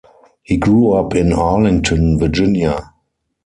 He grew up in Arlington, Virginia.